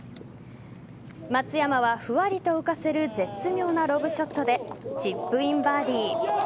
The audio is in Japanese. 松山はふわりと浮かせる絶妙なロブショットでチップインバーディー。